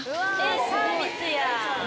サービスや！